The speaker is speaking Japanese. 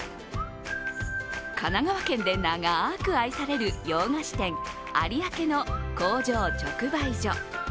神奈川県で長く愛される洋菓子店ありあけの工場直売所。